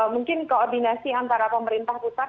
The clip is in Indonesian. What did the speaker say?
mungkin koordinasi antara pemerintah pusat